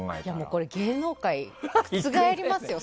これ、芸能界が覆りますよ。